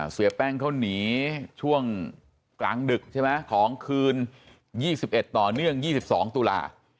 เสียแป้งเขาหนีช่วงกลางดึกใช่ไหมของคืน๒๑ต่อเนื่อง๒๒ตุลา